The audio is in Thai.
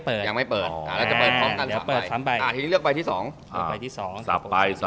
ผมเลือกมาแล้วนะ